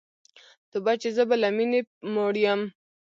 توبه چي زه به له میني موړ یم